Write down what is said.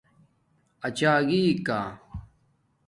اچݳگی کا